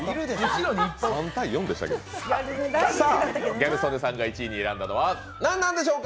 ギャル曽根さんが１位に選んだのは何なのでしょうか。